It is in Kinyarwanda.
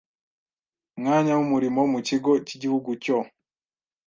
mwanya w umurimo mu Kigo cy Igihugu cyo